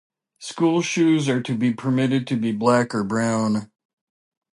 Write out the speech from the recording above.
School shoes are to be permitted to be black or brown.